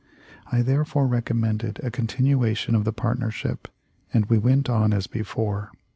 I therefore recommended a continuation of the partnership, and we went on as before.